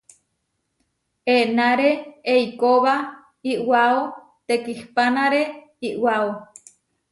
Enáre eikóba iʼwáo tekihpánare iʼwáo.